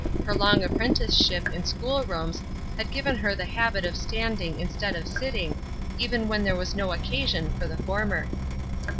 Her long apprenticeship in school rooms had given her the habit of standing instead of sitting, even when there was no occasion for the former.